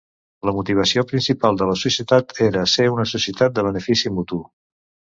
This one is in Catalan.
La motivació principal de la societat era ser una societat de benefici mutu.